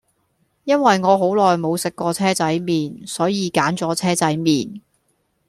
因為我好耐無食過車仔麵,所以揀左車仔麵